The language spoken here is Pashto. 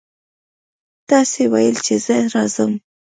تاسې ویل چې زه راځم.